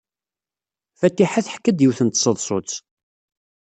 Fatiḥa teḥka-d yiwet n tseḍsut.